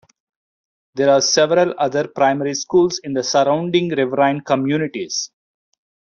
There are several other primary schools in the surrounding riverine communities.